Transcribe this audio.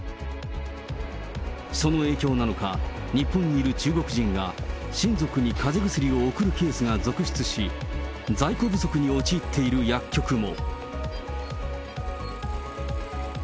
その影響なのか、日本にいる中国人が親族にかぜ薬を送るケースが続出し、在庫不足に陥っている薬局も。